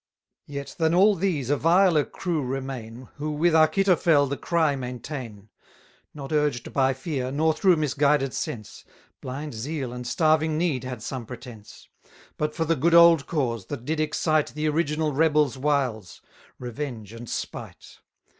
Yet, than all these a viler crew remain, Who with Achitophel the cry maintain; Not urged by fear, nor through misguided sense, Blind zeal and starving need had some pretence; But for the good old cause, that did excite The original rebels' wiles revenge and spite.